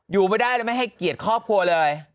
อยู่ไม่ได้แล้วไม่ให้เกียรติครอบครัวเลย